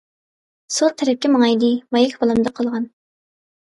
-سول تەرەپكە ماڭايلى، ماياك بالامدا قالغان.